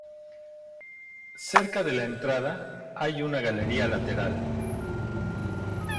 Cerca de la entrada hay una galería lateral.